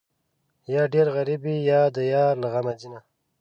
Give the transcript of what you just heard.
یا ډېر غریب وي، یا د یار له غمه ځینه